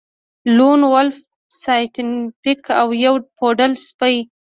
لون وولف سایینټیفیک او یو پوډل سپی